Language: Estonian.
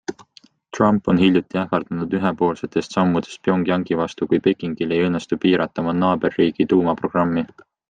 Trump on hiljuti ähvardanud ühepoolsetest sammudest Pyongyangi vastu, kui Pekingil ei õnnestu piirata oma naaberriigi tuumaprogrammi.